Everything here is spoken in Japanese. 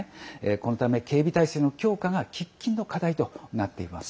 このため、警備態勢の強化が喫緊の課題となっています。